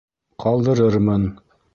Ҡалдырырмын.